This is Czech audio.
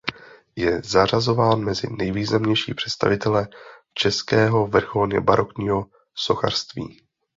Je zařazován mezi nejvýznamnější představitele českého vrcholně barokního sochařství.